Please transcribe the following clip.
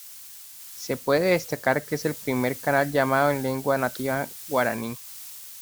Se puede destacar que es el primer canal llamado en la legua nativa guaraní.